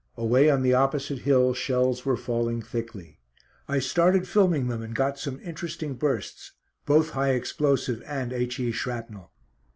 Away on the opposite hill shells were falling thickly. I started filming them and got some interesting bursts, both high explosive and H.E. shrapnel.